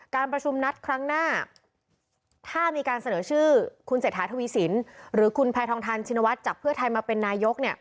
การประชุมนัดครั้งหน้าถ้ามีการเสนอชื่อคุณเศรษฐาทวีสินหรือคุณแพทองทานชินวัฒน์จากเพื่อไทยมาเป็นนายก